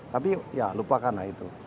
tapi ya lupakanlah itu